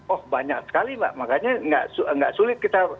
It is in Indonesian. oh banyak sekali mbak makanya nggak sulit kita